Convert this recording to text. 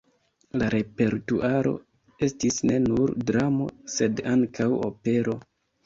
La repertuaro estis ne nur dramo, sed ankaŭ opero.